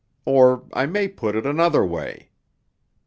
Or I may put it another way.